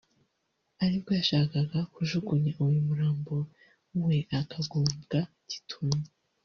aribwo yashakaga kujugunya uyu murambo we akagubwa gitumo